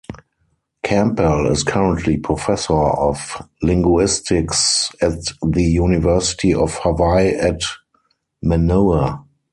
Campbell is currently professor of linguistics at the University of Hawaii at Manoa.